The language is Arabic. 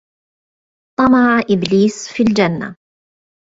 طمع إبليس في الجنة